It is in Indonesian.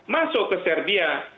masuk ke serbia